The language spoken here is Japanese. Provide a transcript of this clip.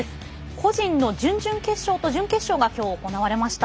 個人の準々決勝と準決勝がきょう行われました。